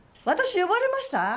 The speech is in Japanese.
私呼ばれました？